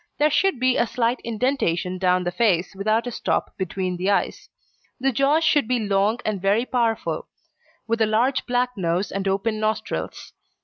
There should be a slight indentation down the face, without a stop between the eyes. The jaws should be long and very powerful, with a large black nose and open nostrils.